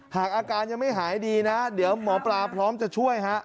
หากอาการยังไม่หายดีนะเดี๋ยวหมอปลาพร้อมจะช่วยฮะ